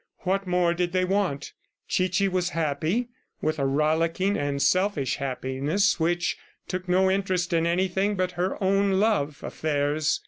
What more did they want? Chichi was happy with a rollicking and selfish happiness which took no interest in anything but her own love affairs.